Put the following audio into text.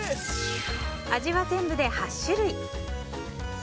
味は全部で８種類。